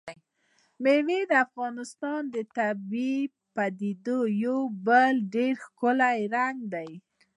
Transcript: مېوې د افغانستان د طبیعي پدیدو یو بل ډېر ښکلی رنګ دی.